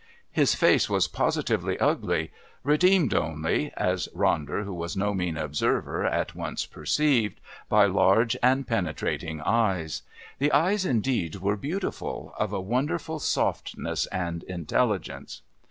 His face was positively ugly, redeemed only, as Ronder, who was no mean observer, at once perceived, by large and penetrating eyes. The eyes, indeed, were beautiful, of a wonderful softness and intelligence.